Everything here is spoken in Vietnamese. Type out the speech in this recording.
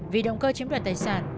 vì động cơ chiếm đoàn tài sản